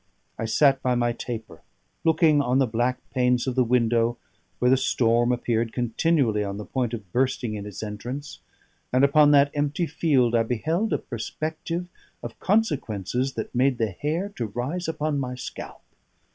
I sat by my taper, looking on the black panes of the window, where the storm appeared continually on the point of bursting in its entrance; and upon that empty field I beheld a perspective of consequences that made the hair to rise upon my scalp.